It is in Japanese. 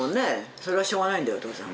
それはしょうがないんだよお父さん。